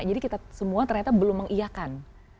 jadi kita semua ternyata belum mengiakan